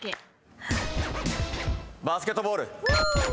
バスケットボール。